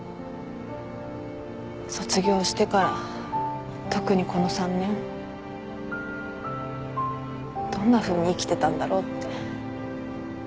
卒業してから特にこの３年どんなふうに生きてたんだろうって。